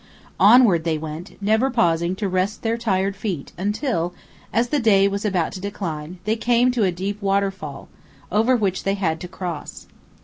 Onward they went, never pausing to rest their tired feet until, as the day was about to decline, they came to a deep waterfall, over which they had to cross.